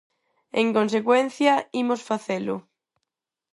En consecuencia, imos facelo.